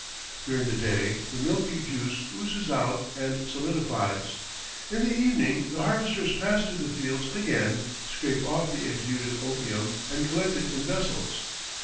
During the day the milky juice oozes out and solidifies. In the evening the harvesters pass through the fields again, scrape off the exuded opium, and collect it in vessels.